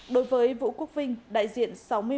đối với vũ quốc vinh đại diện sáu mươi bảy